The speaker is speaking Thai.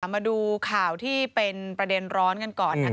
มาดูข่าวที่เป็นประเด็นร้อนกันก่อน